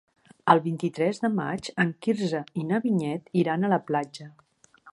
El vint-i-tres de maig en Quirze i na Vinyet iran a la platja.